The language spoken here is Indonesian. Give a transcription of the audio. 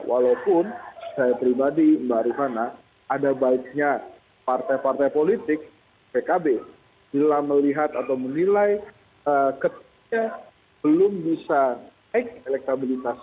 walaupun secara pribadi mbak rihana ada baiknya partai partai politik pkb bila melihat atau menilai ketua umumnya belum bisa ekselektabilisasi